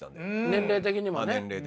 年齢的にも。